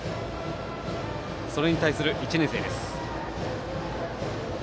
それに対する１年生です。